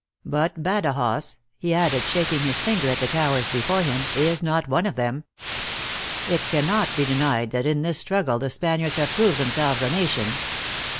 But Badajoz," he added, shaking his finger at the towers before him, u is not one of them. It can not be denied that in this struggle the Spaniards have THE ACTRESS IN HIGH LIFE. 281 proved themselves a nation.